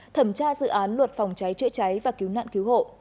thẩm tra dự án luật phòng cháy chữa cháy và cứu nạn cứu hộ